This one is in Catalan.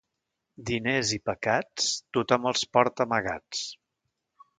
Diners i pecats, tothom els porta amagats.